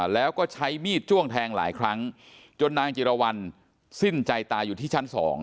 แล้วก็ใช้มีดจ้วงแทงหลายครั้งจนนางจิรวรรณสิ้นใจตายอยู่ที่ชั้น๒